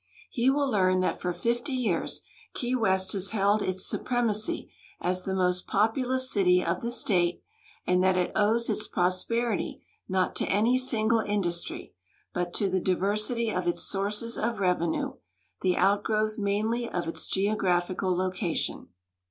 He Avill learn that for fifty years Key West has held its supremacy as the most poinilous city of the state, and that it OAves its prosperity not to any single industry, but to the diversity of its sources of revenue, the outgroAvth mainly of its geographical location.